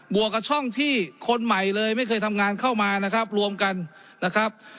วกกับช่องที่คนใหม่เลยไม่เคยทำงานเข้ามานะครับรวมกันนะครับ